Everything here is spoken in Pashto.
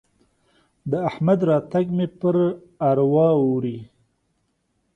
د احمد راتګ مې پر اروا اوري.